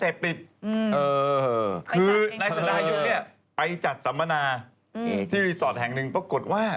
เสพติดคือนายสดายุเนี่ยไปจัดสัมมนาที่รีสอร์ทแห่งหนึ่งปรากฏว่า